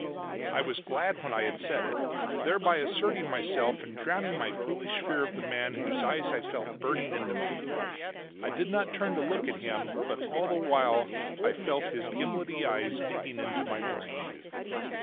I was glad when I had said it, thereby asserting myself and downing my foolish fear of the man whose eyes I felt burning into me. I did not turn to look at him but all the while I felt his gimlety eyes digging into my brain.